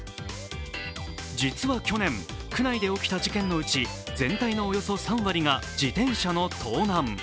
実は去年、区内で起きた事件のうち、全体のおよそ３割が自転車の盗難。